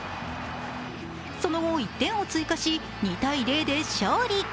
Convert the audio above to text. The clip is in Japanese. その後、１点を追加し、２−０で勝利。